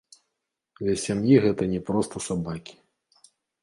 Для сям'і гэта не проста сабакі.